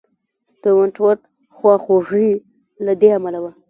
د ونټ ورت خواخوږي له دې امله وه.